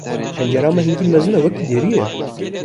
Pencereya me hingî mezin e wekî derî ye.